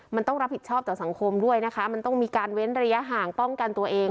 มันต้องรับผิดชอบต่อสังคมด้วยนะคะมันต้องมีการเว้นระยะห่างป้องกันตัวเอง